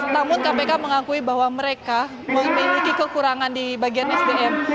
namun kpk mengakui bahwa mereka memiliki kekurangan di bagian sdm